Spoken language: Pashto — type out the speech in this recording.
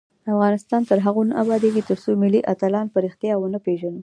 افغانستان تر هغو نه ابادیږي، ترڅو ملي اتلان په ریښتیا ونه پیژنو.